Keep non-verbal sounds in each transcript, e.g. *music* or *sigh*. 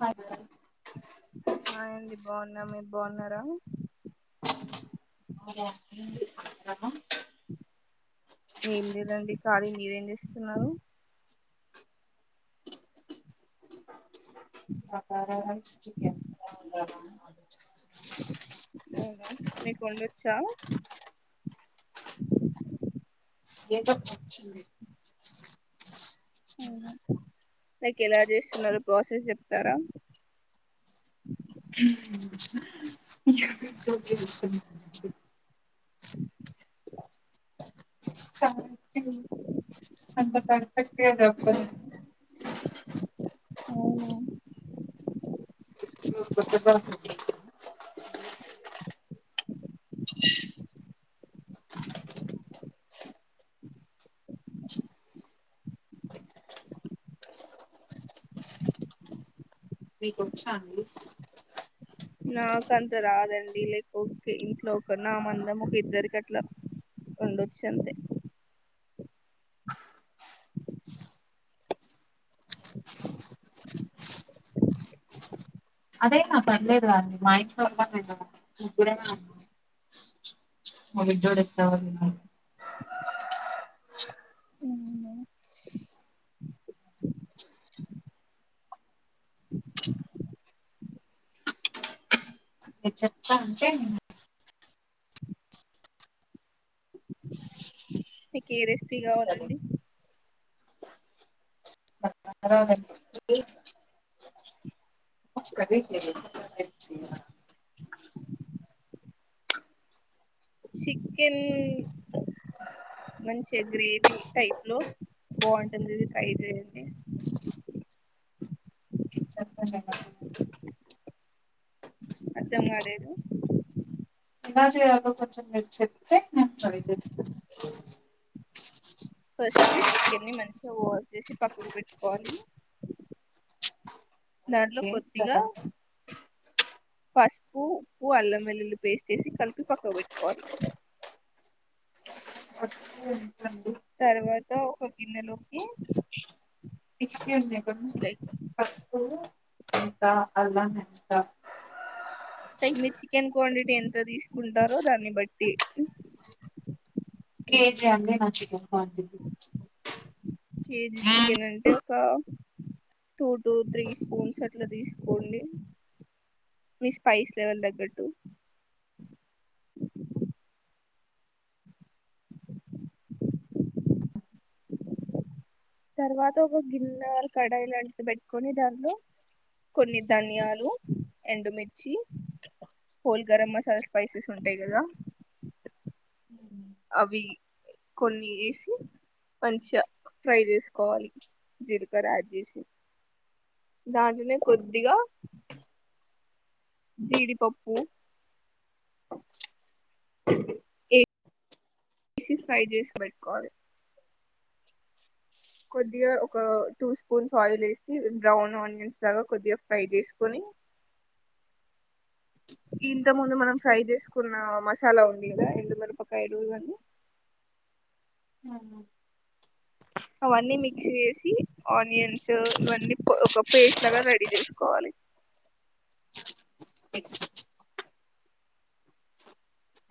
బగారా అ ఏండి బాగున్నా మీరు బాగున్నారా అ అ ఏం లేదండి ఖాళీ మీరేం చేస్తున్నారు అ అవునా మీకు ఉండొచ్చా ఏ అ నైక్ ఎలా చేస్తున్నార ప్రోసెస్ చెప్తారా స అంత చెతేనాప్పు అవునా కొత్త ప్రాసెస్ మీకు వచ్చాండి నాక అంత రాదండి లేక్ ఒకే ఇంట్లో ఒక నా మందం ఒక ఇద్దరికి అట్లా ఉండొచ్చు అంతే అదేనా పర్లేదు మా ఇంట్లో మ దూడస్త *inaudible* అవునా, చెప్తా మీకు ఏ రెసిపీ కావాలండి *inaudible* *unintelligible* చికెన్ మంచి గ్రేవీ టైప్ లో బాగుంటుంది *unintelligible* *unintelligible* అర్థం కాలేదు ఎలా చేయాలో కొంచెం మీరు చెప్తే నేను ట్రై చేస్తా ఫస్ట్ చికెన్ని మంచిగా వాష్ చేసి పక్కకు పెట్టుకోవాలి దాంట్లో ఓకే కొద్దిగ పసుపు ఉప్పు అల్లం వెల్లుల్లి పేస్ట్ వేసి కలిపి పక్కకు పెట్టుకోవాలి అండి తర్వాత ఒక గిన్ని లోకి ఇ ఎక్సెస్ మీ ఇంకా అలానే *unintelligible* తగిన చికెన్ క్వాం ఎంత తీసుకుంటారో దాన్ని బట్టి కేజీ అండి నా చికెన్ క్వాంటిటీ కేజీ చికెన్ అంటే ఒక టూ టూ త్రీ స్పూన్స్ అట్లా తీసుకోండి మీ స్పైస్ లెవెల్ తగ్గట్టు తర్వాత ఒక గిన్న కడాయి లాంటివి పెట్టుకొని దాంలో కొన్ని ధనియాలు ఎండుమిర్చి హోల్ గరం మసాలా స్పైసెస్ ఉంటాయి కదా అవి కొన్ని ఏసి మంచిగా ఫ్రై చేసుకోవాలి జీలకర యాడ్ చేసి దాంట్లోనే కొద్దిగ జీడిపప్పు ఫ్రై చేసి పెట్టుకోవలి కొద్దిగా ఒక టూ స్పూన్స్ ఆయిల్ వేసి బ్రౌన్ ఆనియన్స్ లాగా కొద్దిగా ఫ్రై చేసుకొని ఇంత ముందు మనం ఫ్రై చేసుకున్న మసాలా ఉంది కదా ఎడుమిరపకాయలు ఇవి అన్ని ఆ అవన్నీ మిక్స్ చేసి ఆనియన్స్ ఇవన్నీ ఒక పేస్ట్ లాగా రెడీ చేసుకోవాలి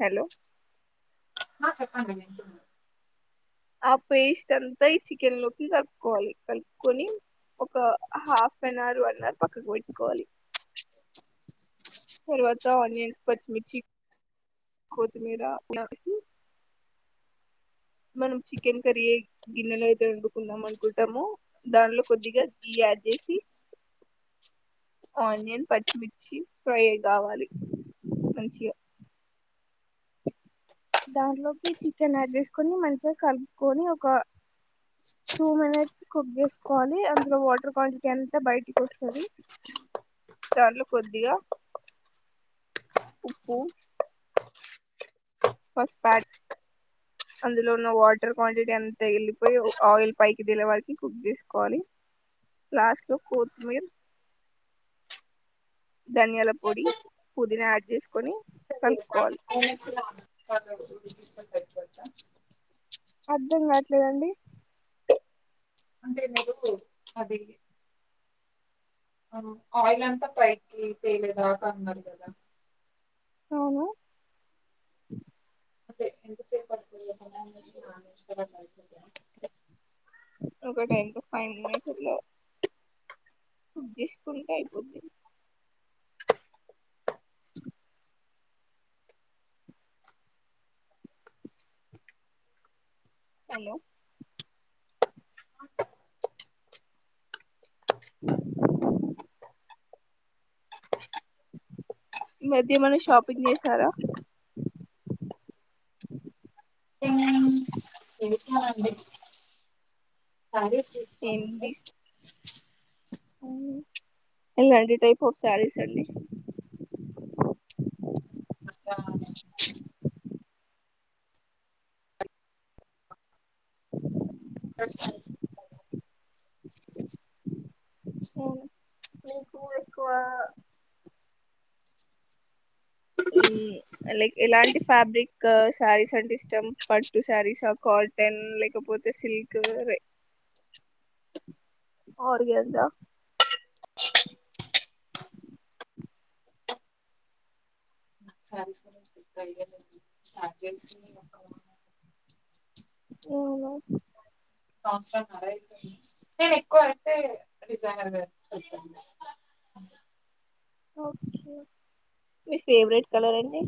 హలో ఆ చెప్పండి వింటున ఆ పేస్ట్ అంతా ఈ చికెన్ లోకి కలుపుకోవాలి కలుపుకొని ఒక half an hour one hour పక్కకు పెట్టుకోవాలి తర్వాత ఆనియన్స్ పచ్చిమిర్చి కొత్తిమీర అల వేసి మనం చికెన్ కర్రీ ఏ గిన్నెలో అయితే వండుకుందాం అనుకుంటామో దాంట్లో కొద్దిగా గీ యాడ్ చేసి ఆనియన్ పచ్చిమిర్చి ఫ్రై కావాలి మంచిగా దాంట్లోకి చికెన్ యాడ్ చేసుకొని మంచిగా కలుపుకొని ఒక టూ మినిట్స్ కుక్ చేసుకోవాలని అందులో వాటర్ క్వాంటిటీ అంత బయటికి వస్తది దాంట్లో కొద్దిగా ఉప్పు పసుపు యాడ్ అందులో ఉన్న వాటర్ క్వాంటిటీ ఎంత వేలిపోయి ఆయిల్ పైకి తేలే వారికి కుక్ చేసుకోవాలి లాస్ట్ లో కొత్తిమీర ధనియాల పొడి పుదీనా యాడ్ చేసుకొని కలుపుకోవాలి అర్ధం కావట్లేదండి అంతే మీరు అది ఆయిల్ అంతా పైకి తేలేదాకా అన్నారు కదా అవునా అంటే ఎంత సేపు పడుతుంది *unintelligible* ఒక టై ఫైన్ మినిట్ అట్లా కుక్ చేసుకుంటే అయిపోది హలో ఈ మధ్య ఏమన్నా షాపింగ్ చేసారా చేశాం అండి శారీస్ తీసుకోమంటే *unintelligible* ఏలాంటి టైప్ ఆఫ్ శారీస్ అండి నాకు చానా ఇష్టం *inaudible* అవును, మీకు ఎక్కువ మ్మ్ లైక్ ఎలాంటి ఫ్యాబ్రిక్ శారీస్ అంటే ఇష్టం పట్టు శారీస్ సా ఆర్ కాటన్ లేకపోతే సిల్క్ రే ఆర్గనైజ్ ఆ సరే సరేయ రెడీ చేసి స్టార్ చేసి వస్తావా అవునా సంవత్సరం నరా అయితుంది నేను ఎక్కువ అయితే డిజైనర్ గా చేస్తున్న ఓకే మీ ఫేవరెట్ కలర్ అండి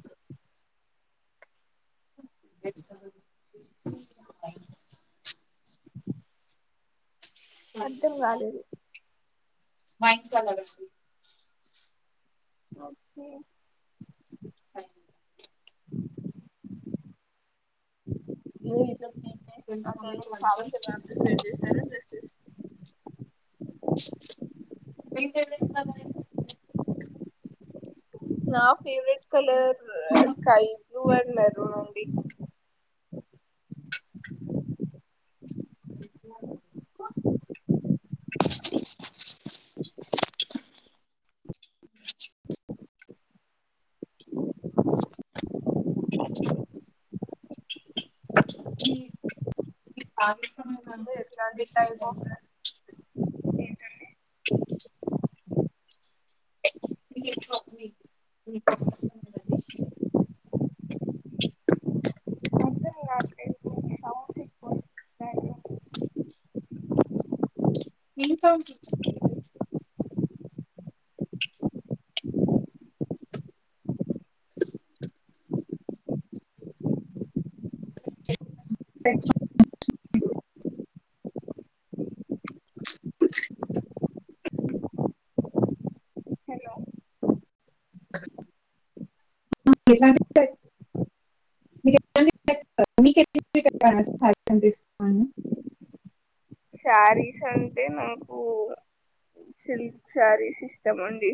అర్థం కాలేదు మా ఇంటి కాడ *unintelligible* ఓకే అండి *unintelligible* డేస్ తెలుసా అట్లా మీకు వైఫై శారీస్ ప్రిపేర్ చేసారా డ్రెస్సెస్ *inaudible* నా favourite colour sky blue and maroon అండి ఈ ఆవేశం మీరు *inaudible* ఎట్లాంటి డెసిషన్ టైప్ ఆఫ్ ఏంటండి డ్రెస్ *inaudible* *inaudible* *inaudible* కోను *inaudible* *inaudible* శారీస్ అంటే నాకు సిల్క్ శారీస్ ఇస్టమండి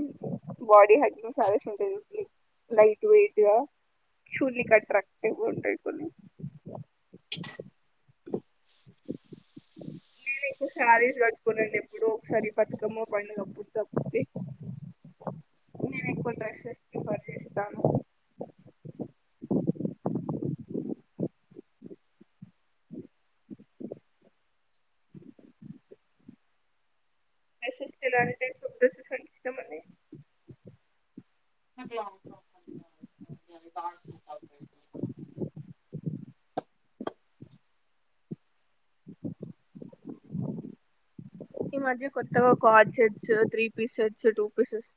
బాడీ హగ్గింగ్ సారీస్ ఉంటాయి లైట్ వెయిట్ గా చూడనికి అట్రాక్టివ్ ఉంటాయి కొన్ని నేను ఎక్కువ శారీస్ కట్టుకోనండి ఎప్పుడో ఒకసారి బతుకమ్మ పండుగప్పుడు తప్పితే నేను ఎక్కువ డ్రెస్సెస్ ప్రిఫర్ చేేస్తాను అసలు కి తేలనే *unintelligible* *inaudible* నాకు లాంగ్ ఫార్క్స్ *unintelligible* ఈ మధ్య కొత్తగా కడ్సెడ్స్ త్రీ పీసెడ్స్ టూ పీసెస్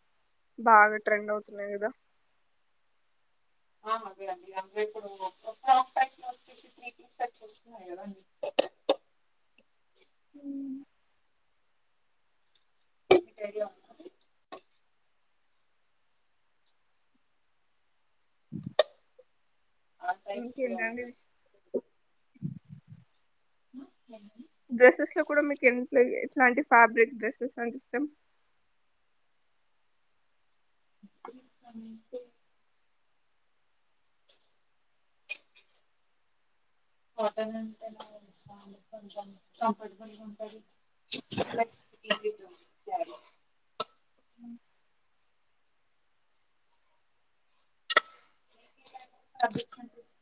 బాగా ట్రెండ్ అవుతున్నాయి కదా ఆ అవే అండి అంటే ఇప్పుడు ఒక ఫ్రాక్ టైప్ లో వచ్చేసి త్రీ పీస్ సెట్స్ వస్తున్నాయి కదండి ఉమ్మ్ మీకు ఐడియా ఉంటుంది ఆ టైప్ ఇంకా ఏంటండీ *unintelligible* డ్రెస్సెస్ లో కూడా మీకు ఏట్ల ఉంటుందో ఎట్లాంటి ఫ్యాబ్రిక్ డ్రెస్సెస్ అంటే ఇష్టం *unintelligible* కమింగ్ టూ కాటన్ అంటే మాక్సిమం కొంచం కంఫర్టబుల్గా ఉంటది ప్లస్ ఈజీ గా క్యారీ తగ్గొచ్చు అనిపిస్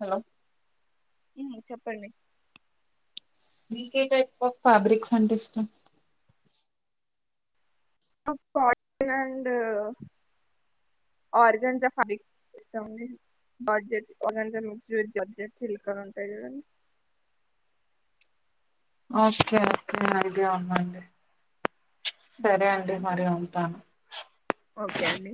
హలో హ్మ్ చెప్పండి మీకే టైప్ఫ్ ఫ్యాబ్రిక్స్ అంటే ఇష్టం కాటన్ అండ్ ఆర్గంజా ఫాబక్ ఇస్తాండి బడ్జెట్ ఆర్గానికా మిక్స్ వి బడ్జెట్ చిలికాలు ఉంటాయి కదండి. ఒకే ఓకే అడి అమండి అలాంటే ఓకే అండి